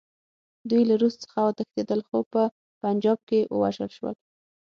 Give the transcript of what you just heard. دوی له روس څخه وتښتېدل، خو په پنجاب کې ووژل شول.